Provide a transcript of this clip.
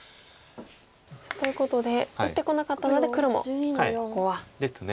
ということで打ってこなかったので黒もここは。ですね。